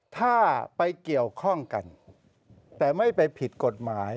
ถ้าไปเกี่ยวข้องกันแต่ไม่ไปผิดกฎหมาย